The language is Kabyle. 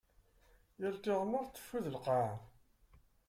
Yal tiɣmert teffud lqaɛa.